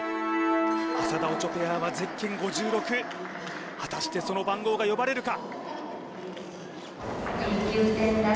浅田・オチョペアはゼッケン５６果たしてその番号が呼ばれるか？